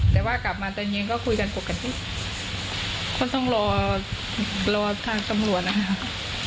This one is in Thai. แต่ว่ากลับมาเต็มเย็นก็คุยกันกว่ากันคนต้องรอทางกำรวจนะครับ